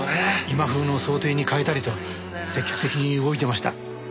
今風の装丁に変えたりと積極的に動いてました。